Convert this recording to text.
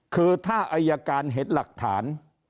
คือถ้าอายการเห็นหลักฐาน